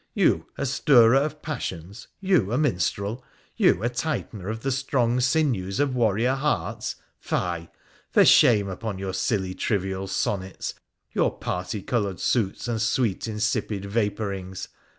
You a stirrer of passions — you a minstrel — you a tight ener of the strong sinews of warrior hearts !— fie ! for shame upon your silly trivial sonnets, your particoloured suits and sweet insipid vapourings